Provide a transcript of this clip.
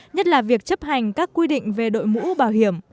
nhất là việc chấp hành các quy định về đội mũ bảo hiểm